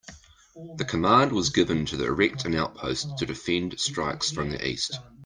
The command was given to erect an outpost to defend strikes from the east.